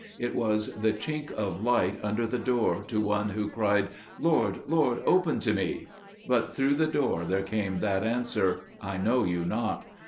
It was the chink of light under the door to one who cried, 'Lord, Lord, open to me,' but through the door there came that answer, 'I know you not.